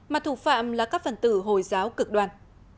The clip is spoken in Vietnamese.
mà thủ phạm là các phần tử hồi giáo cực đoàn